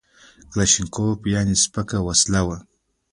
کلاشینکوف یعنې سپکه وسله وه